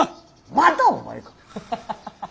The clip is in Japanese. またお前か！